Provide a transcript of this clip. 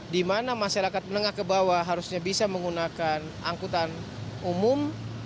di mana masyarakat menengah ke bawah harusnya bisa menggunakan angkutan umum